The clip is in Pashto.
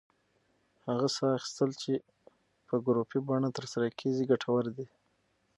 هغه ساه اخیستل چې په ګروپي بڼه ترسره کېږي، ګټور دی.